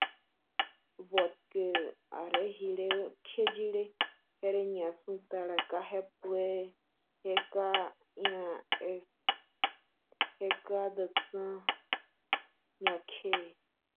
Dos eventos del mismo proceso no pueden ocurrir simultáneamente.